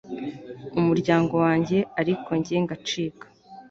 umuryago wanjye ariko njye ngacika!!